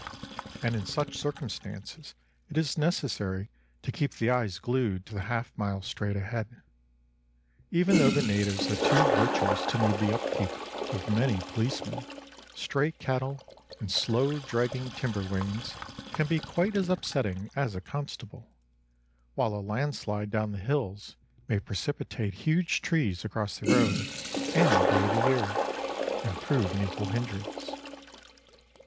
And in such circumstances it is necessary to keep the eyes glued to the half mile straight ahead. Even though the natives are too virtuous to need the upkeep of many policemen, stray cattle and slow dragging timber wains can be quite as upsetting as a constable; while a landslide down the hills may precipitate huge trees across the road any day of the year, and prove an equal hindrance.